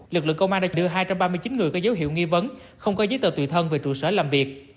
lực lượng công an đã đưa hai trăm ba mươi chín người có dấu hiệu nghi vấn không có giấy tờ tùy thân về trụ sở làm việc